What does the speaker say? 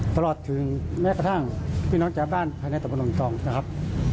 ตลอดถึงแม้กระทั่งพี่น้องจ้าบ้านภายในตัวประดงตรองนะครับ